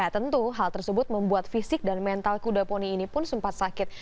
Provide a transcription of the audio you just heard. tentu hal tersebut membuat fisik dan mental kuda poni ini pun sempat sakit